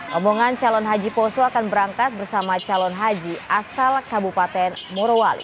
rombongan calon haji poso akan berangkat bersama calon haji asal kabupaten morowali